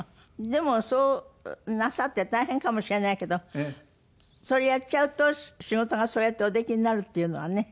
でもそうなさって大変かもしれないけどそれやっちゃうと仕事がそうやっておできになるっていうのはね。